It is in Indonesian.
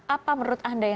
apa menurut anda